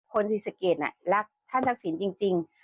คนศรีสะเกดลักษณ์ทรักษีจริง